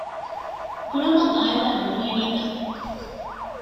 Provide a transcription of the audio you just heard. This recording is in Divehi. ގުޅުމަށް އާއިލާ ނުރުހެނީތަ؟